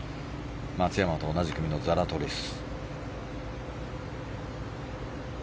松山と同じ組のザラトリス。